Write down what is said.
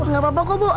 gak apa apa kok bu